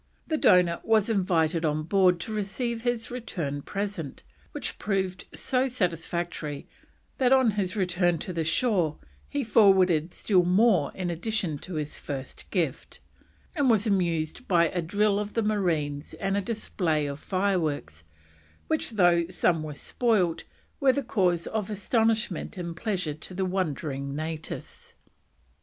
The donor was invited on board to receive his return present, which proved so satisfactory that on his return to the shore he forwarded still more in addition to his first gift, and was amused by a drill of the marines and a display of fireworks, which, though some were spoilt, were the cause of astonishment and pleasure to the wondering natives.